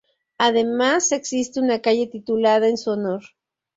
Además, existe una calle titulada en su honor.